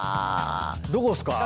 どこっすか？